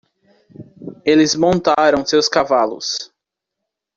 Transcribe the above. Eles montaram seus cavalos.